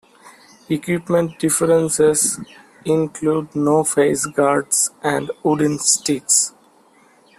Equipment differences include no face guards and wooden sticks.